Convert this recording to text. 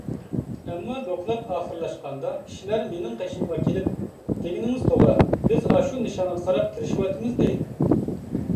ئەمما دوكلات ئاخىرلاشقاندا كىشىلەر مېنىڭ قېشىمغا كېلىپ: «دېگىنىڭىز توغرا، بىز ئاشۇ نىشانغا قاراپ تىرىشىۋاتىمىز»، دەيدۇ.